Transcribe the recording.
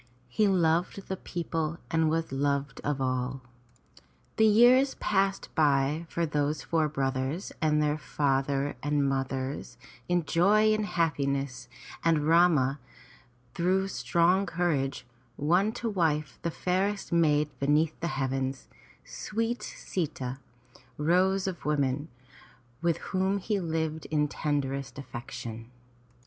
He loved the people and was loved of all. The years passed by for those four brothers and their father and mothers in joy and happiness, and Rama, through strong courage, won to wife the fairest maid beneath the heavens, sweet Si'ta, Rose of Women, with whom he lived in tenderest affection.